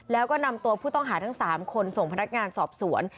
แล้วก็นำตัวผู้ต้องหาทั้ง๓คนส่งพนักงานสอบสวน